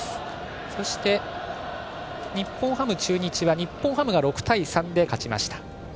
そして日本ハム、中日は日本ハムが勝ちました。